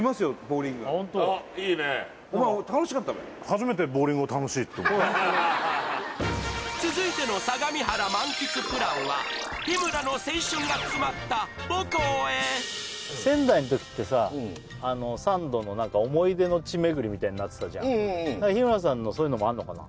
ボウリングあいいねお前楽しかったべ続いての相模原満喫プランは日村の青春が詰まった母校へ仙台の時ってさサンドの何か思い出の地巡りみたいになってたじゃん日村さんのそういうのもあんのかな？